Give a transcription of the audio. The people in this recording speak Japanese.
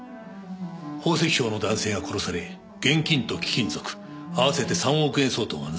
宝石商の男性が殺され現金と貴金属合わせて３億円相当が盗まれました。